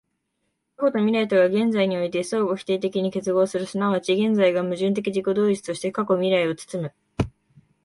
過去と未来とが現在において相互否定的に結合する、即ち現在が矛盾的自己同一として過去未来を包む、